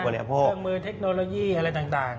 เครื่องมือเทคโนโลยีอะไรต่าง